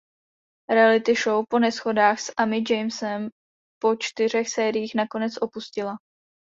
Reality show po neshodách s Ami Jamesem po čtyřech sériích nakonec opustila.